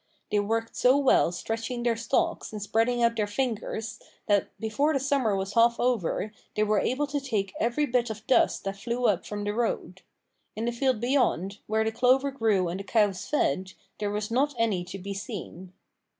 They worked so well stretching their stalks and spreading out their fingers that before the summer was half over they were able to take every bit of dust that flew up from the road. In the field beyond, where the clover grew and the cows fed, there was not any to be seen.